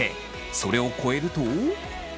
それを超えると。